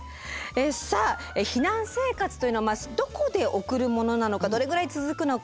さあ避難生活というのはどこで送るものなのかどれぐらい続くのか。